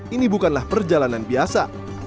ini bukanlah perjalanan biasa